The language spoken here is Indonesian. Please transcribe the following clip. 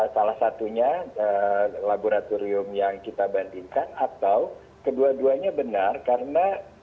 salah satunya laboratorium yang kita bandingkan atau kedua duanya benar karena kita tidak melakukan perbandingan apple to apple